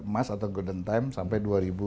mas atau golden time sampai dua ribu dua puluh tiga